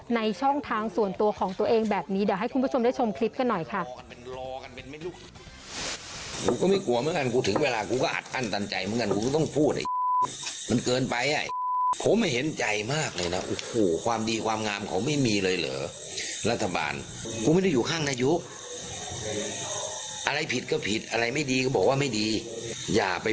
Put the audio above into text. ในช่องทางส่วนตัวของตัวเองแบบนี้เดี๋ยวให้คุณผู้ชมได้ชมคลิปกันหน่อยค่ะ